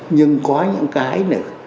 nhưng có những cái